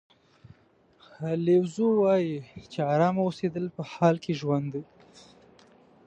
لیو زو وایي چې ارامه اوسېدل په حال کې ژوند دی.